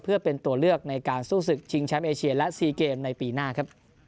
เพื่อเป็นตัวเลือกในการสู้ศึกชิงแชมป์เอเชียและ๔เกมในปีหน้าครับ